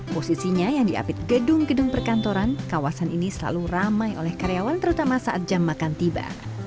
posisinya yang diapit gedung gedung perkantoran kawasan ini selalu ramai oleh karyawan terutama saat jam makan tiba